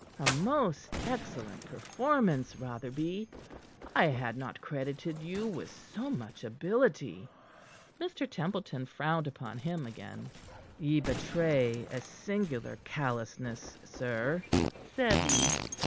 A most excellent performance, Rotherby. I had not credited you with so much ability." Mr. Templeton frowned upon him again. "Ye betray a singular callousness, sir," said he.